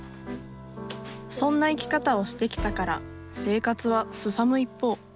そんな生き方をしてきたから生活はすさむ一方。